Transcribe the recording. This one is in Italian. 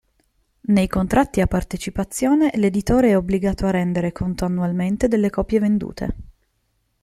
Nei contratti a partecipazione, l'editore è obbligato a rendere conto annualmente delle copie vendute.